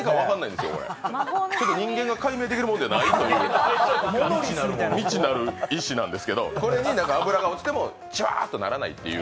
人間が解明できるものではないという未知なる石なんですけど、これに脂が落ちてもジュワーとならないという。